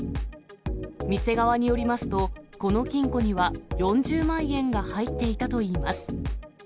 店側によりますと、この金庫には４０万円が入っていたといいます。